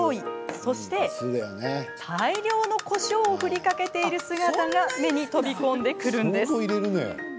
そして大量のこしょうを振りかけている姿が目に飛び込んでくるんです。